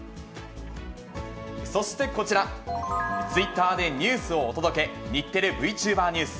そしてこちら、ツイッターでニュースをお届け、日テレＶチューバーニュース。